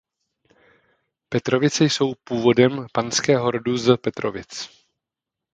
Petrovice jsou původem panského rodu z Petrovic.